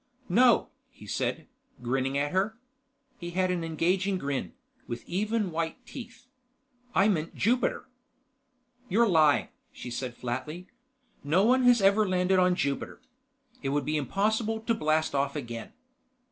"No," he said, grinning at her. He had an engaging grin, with even white teeth. "I meant Jupiter." "You're lying," she said flatly. "No one has ever landed on Jupiter. It would be impossible to blast off again."